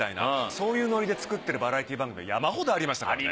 そういうノリで作ってるバラエティー番組山ほどありましたからね。